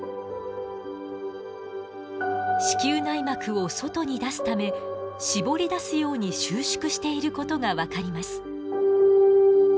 子宮内膜を外に出すためしぼり出すように収縮していることが分かります。